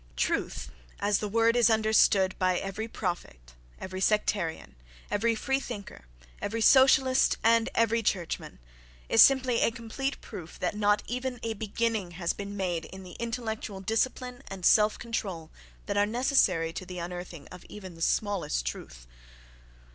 "Truth," as the word is understood by every prophet, every sectarian, every free thinker, every Socialist and every churchman, is simply a complete proof that not even a beginning has been made in the intellectual discipline and self control that are necessary to the unearthing of even the smallest truth.